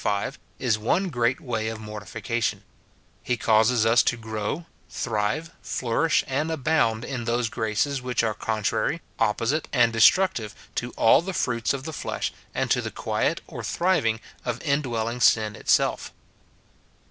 5, is one great way of mortifica tion ; he causes us to grow, thrive, flourish, and abound in those graces which are contrary, opposite, and de structive to all the fruits of the flesh, and to the quiet or thriving of indwelling sin itself.